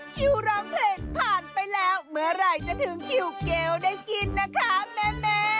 คิวร้องเพลงผ่านไปแล้วเมื่อไหร่จะถึงคิวเกลได้กินนะคะแม่